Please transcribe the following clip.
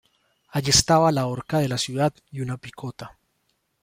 Allí estaba la horca de la ciudad y una picota.